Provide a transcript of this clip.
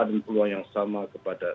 dan peluang yang sama kepada